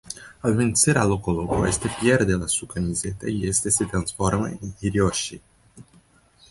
Al vencer a Loco-Loco este pierde su camiseta y esta se transforma en Hiroshi.